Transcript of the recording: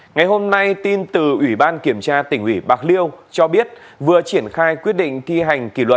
ngày hôm nay tin từ ủy ban kiểm tra tỉnh ủy bạc liêu cho biết vừa triển khai quyết định thi hành kỷ luật